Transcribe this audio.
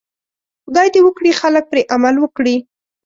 خدای دې وکړي خلک پرې عمل وکړي.